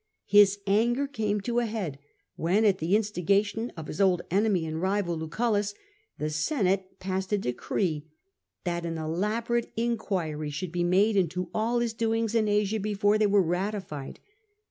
His anger came to a head when at the instigation of his old enemy and rival, Lucullus, the Senate passed a decree that an elaborate inquiry should be made into all his doings in Asia before they were ratified.